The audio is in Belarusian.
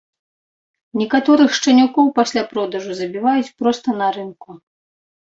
Некаторых шчанюкоў пасля продажу забіваюць проста на рынку.